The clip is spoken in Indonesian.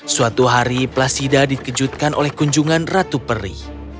suatu hari placida dikejutkan oleh kunjungan ratu peri